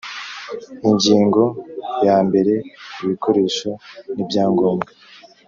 Ingingo yambere Ibikoresho n ibyangombwa